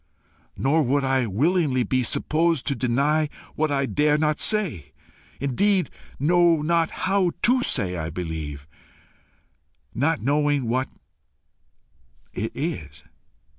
Nor would I willingly be supposed to deny what I dare not say indeed know not how to say I believe, not knowing what it is.